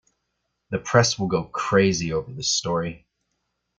The press will go crazy over this story.